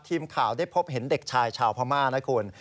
ทีมข่าวได้พบเห็นเด็กชายชาวพม่านะคุณ